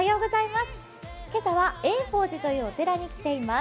今朝は永寶寺というお寺に来ています。